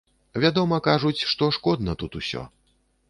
Вядома, кажуць, што шкодна тут усё.